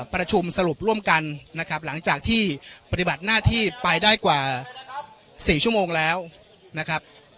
ประชุมสรุปร่วมกันนะครับหลังจากที่ปฏิบัติหน้าที่ไปได้กว่า๔ชั่วโมงแล้วนะครับ